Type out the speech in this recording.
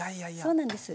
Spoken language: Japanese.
そうなんです